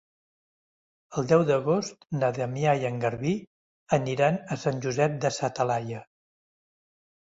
El deu d'agost na Damià i en Garbí aniran a Sant Josep de sa Talaia.